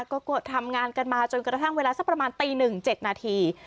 ก็กดทำงานกันมาจนกระทั่งเวลาสักประมาณตีหนึ่งเจ็ดนาที